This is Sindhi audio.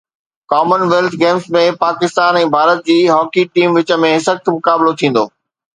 ڪمن ويلٿ گيمز ۾ پاڪستان ۽ ڀارت جي هاڪي ٽيمن وچ ۾ سخت مقابلو ٿيندو